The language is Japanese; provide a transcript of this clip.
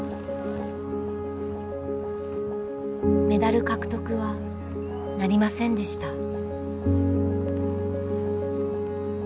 メダル獲得はなりませんでした。